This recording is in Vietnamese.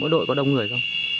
mỗi đội có đông người không